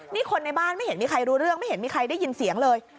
นี่คนในบ้านไม่เห็นมีใครรู้เรื่องไม่เห็นมีใครได้ยินเสียงเลย